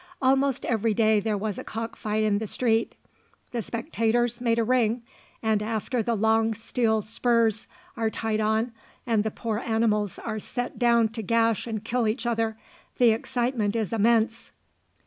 Almost every day there was a cock fight in the street. The spectators make a ring, and after the long steel spurs are tied on, and the poor animals are set down to gash and kill each other, the excitement is immense.